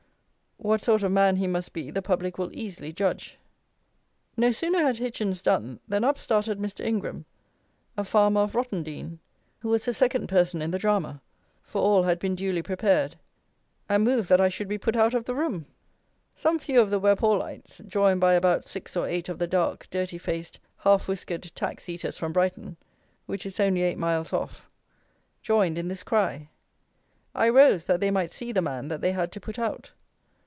What sort of man he must be the public will easily judge. No sooner had Hitchins done, than up started Mr. Ingram, a farmer of Rottendean, who was the second person in the drama (for all had been duly prepared), and moved that I should be put out of the room! Some few of the Webb Hallites, joined by about six or eight of the dark, dirty faced, half whiskered, tax eaters from Brighton (which is only eight miles off) joined in this cry. I rose, that they might see the man that they had to put out.